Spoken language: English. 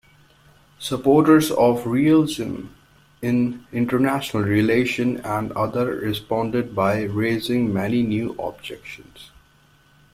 Supporters of realism in international relations and others responded by raising many new objections.